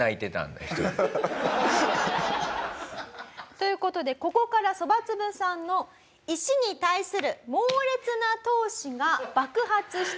という事でここからそばつぶさんの石に対する猛烈な闘志が爆発していきます。